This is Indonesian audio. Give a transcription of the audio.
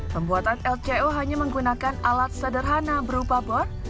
pembuatan lco hanya menggunakan alat sederhana berupa bor